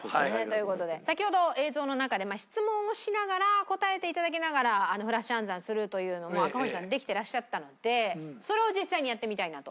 という事で先ほど映像の中で質問をしながら答えて頂きながらフラッシュ暗算するというのもう赤堀さんできてらっしゃったのでそれを実際にやってみたいなと。